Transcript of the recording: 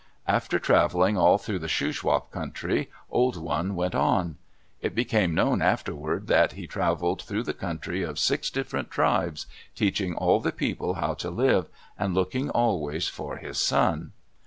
After traveling all through the Shuswap country, Old One went on. It became known afterward that he traveled through the country of six different tribes, teaching all the people how to live, and looking always for his son.